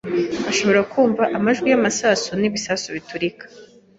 Bashoboraga kumva amajwi y'amasasu n'ibisasu biturika.